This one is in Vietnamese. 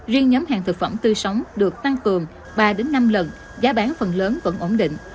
riêng nhóm hàng thực phẩm tươi sống được tăng cường ba năm lần giá bán phần lớn vẫn ổn định